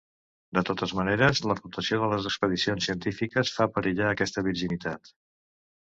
De totes maneres, la rotació de les expedicions científiques fa perillar aquesta virginitat.